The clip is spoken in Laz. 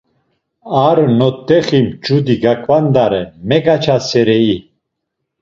Ar not̆exi mç̌udi gaǩvandare, megaçaserei?